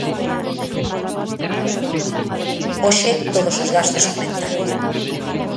Hoxe, todos os gastos aumentaron.